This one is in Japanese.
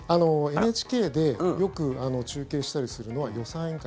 ＮＨＫでよく中継したりするのは予算委員会。